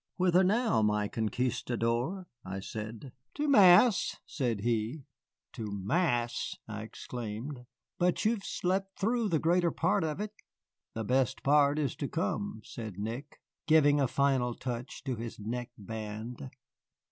"Whither now, my conquistador?" I said. "To Mass," said he. "To Mass!" I exclaimed; "but you have slept through the greater part of it." "The best part is to come," said Nick, giving a final touch to his neck band.